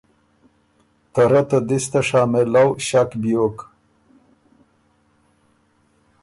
ته رئ ته دِس ته شامېلؤ ݭک بیوک